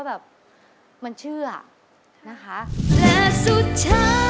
ขอบคุณค่ะ